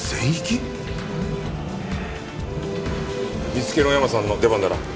見つけのヤマさんの出番だな。